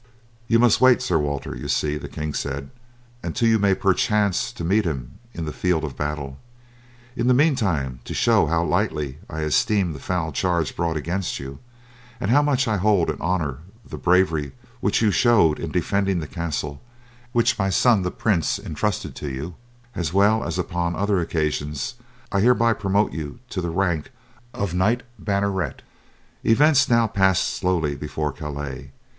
"You must wait, Sir Walter, you see," the king said, "until you may perchance meet him in the field of battle. In the mean time, to show how lightly I esteem the foul charge brought against you, and how much I hold and honour the bravery which you showed in defending the castle which my son the prince entrusted to you, as well as upon other occasions, I hereby promote you to the rank of knight banneret." Events now passed slowly before Calais.